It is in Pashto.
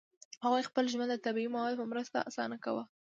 هغوی خپل ژوند د طبیعي موادو په مرسته اسانه کاوه.